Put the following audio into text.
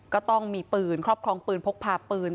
ก็ต้องมีปืนครอบครองปืนพกพาปืน